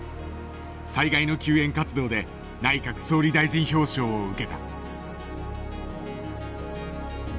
災害の救援活動で内閣総理大臣表彰を受けた。